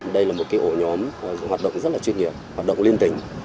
đây là một cái ổ nhóm hoạt động rất là chuyên nghiệp hoạt động liên tình